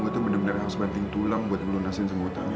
gue tuh bener bener harus banting tulang buat ngeluarin nasi dengan utangnya